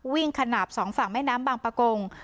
ขนาดสองฝั่งแม่น้ำบางประกง